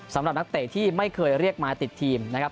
สำหรับนักเตะที่ไม่เคยเรียกมาติดทีมนะครับ